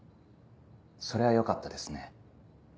それはよかったですね。